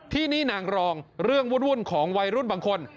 ที่นี่นางรองเรื่องวุ่นของวัยรุ่นบางคน